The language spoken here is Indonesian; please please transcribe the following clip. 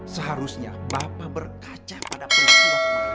seharusnya bapak berkaca pada peristiwa kemarin